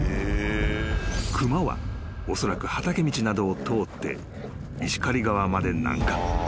［熊はおそらく畑道などを通って石狩川まで南下］